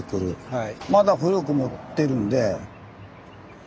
はい。